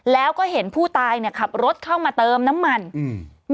แล้วก็เห็นผู้ตายเนี้ยขับรถเข้ามาเติมน้ำมันอืม